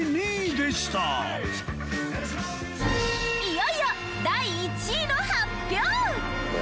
いよいよ第１位の発表！